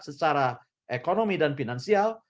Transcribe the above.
secara ekonomi dan finansial